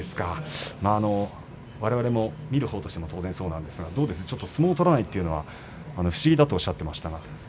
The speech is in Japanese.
われわれ見るほうもそうなんですが相撲を取らないというのは不思議だとおっしゃってましたが。